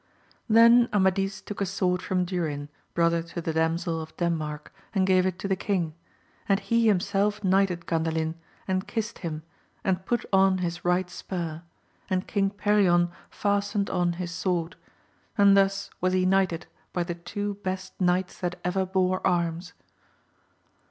Then Amadis took a sword from Dunn, brother to the Damsel of Denmark, and gave it to the king ; and he himseK knighted Ganda lin, and kissed him, and put on his right spur, and King Perion fastened on his sword ; and thus was he knighted by the two best knights that ever bore arms.